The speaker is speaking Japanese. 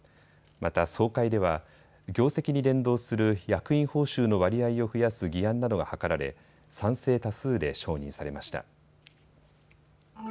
また総会では業績に連動する役員報酬の割合を増やす議案などが諮られ賛成多数で承認されました。